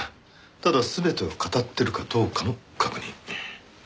ただ全てを語ってるかどうかの確認。